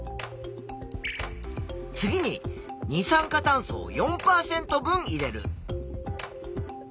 次に二酸化炭素を４％分入れる。